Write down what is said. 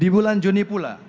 di bulan juni pula